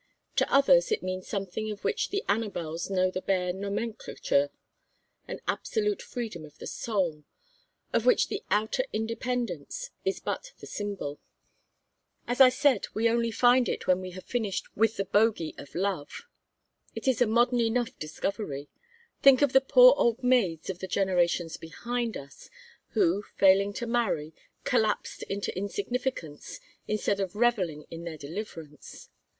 To others it means something of which the Anabels know the bare nomenclature: an absolute freedom of the soul, of which the outer independence is but the symbol. As I said, we only find it when we have finished with the bogie of love. It is a modern enough discovery. Think of the poor old maids of the generations behind us, who, failing to marry, collapsed into insignificance instead of revelling in their deliverance.